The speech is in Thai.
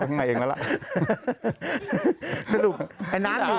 น้ำนาย